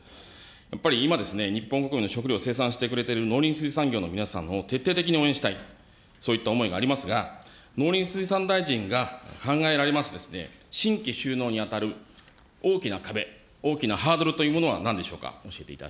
やっぱり今、日本国民の食料を生産をしてくれてる農林水産業の皆さんを徹底的に応援したい、そういった思いがありますが、農林水産大臣が考えられます、新規就農に当たる大きな壁、大きなハードルというものはなんでしょうか。